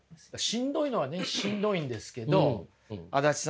しんどいのはねしんどいんですけど足立さんがね